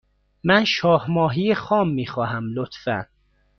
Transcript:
من شاه ماهی خام می خواهم، لطفا.